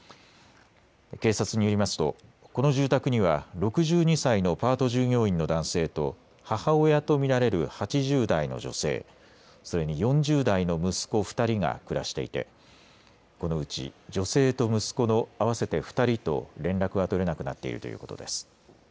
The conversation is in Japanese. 警察によりますとこの住宅には６２歳のパート従業員の男性と母親と見られる８０代の女性、それに４０代の息子２人が暮らしていてこのうち女性と息子の合わせて２人と連絡が取れなくなっているということです。